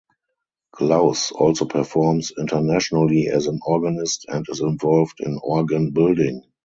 Glaus also performs internationally as an organist and is involved in organ building.